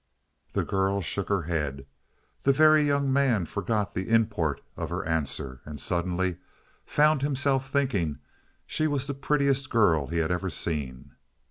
The girl shook her head. The Very Young Man forgot the import of her answer, and suddenly found himself thinking she was the prettiest girl he had ever seen.